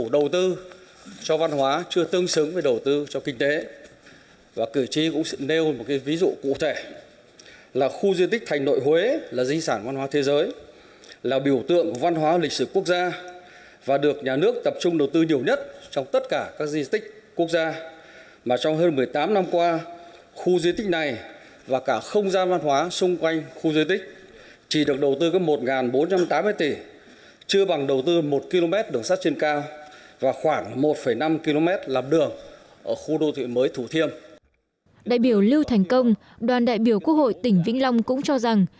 đại biểu lưu thành công đoàn đại biểu quốc hội tỉnh vĩnh long cũng cho rằng